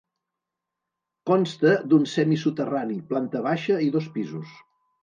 Consta d'un semisoterrani, planta baixa i dos pisos.